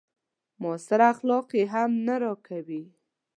معاصر اخلاق يې هم نه راکوي.